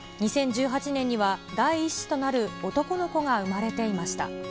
２０１８年には第１子となる男の子が生まれていました。